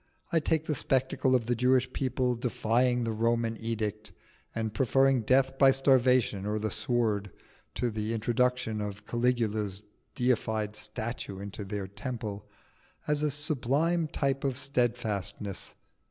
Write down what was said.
I take the spectacle of the Jewish people defying the Roman edict, and preferring death by starvation or the sword to the introduction of Caligula's deified statue into the temple, as a sublime type of steadfastness.